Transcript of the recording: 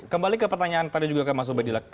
kembali ke pertanyaan tadi juga mas obadillah